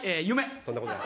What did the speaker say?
そんなことない。